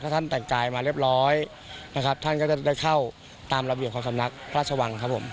ท่านแต่งกายมาเรียบร้อยนะครับท่านก็จะได้เข้าตามระเบียบของสำนักพระราชวังครับผม